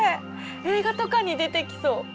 映画とかに出てきそう。